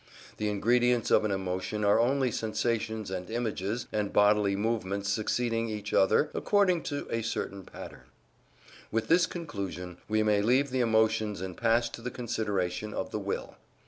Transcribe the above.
The ingredients of an emotion are only sensations and images and bodily movements succeeding each other according to a certain pattern. With this conclusion we may leave the emotions and pass to the consideration of the will.